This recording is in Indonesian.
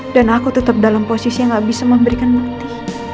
dan aku tetap dalam posisi yang gak bisa memberikan bukti